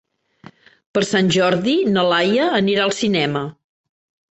Per Sant Jordi na Laia anirà al cinema.